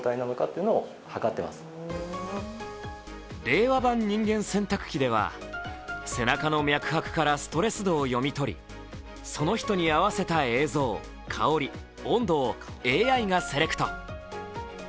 令和版人間洗濯機では背中の脈拍からストレス度を読み取りその人に合わせた映像、香り温度をＡＩがセレクト。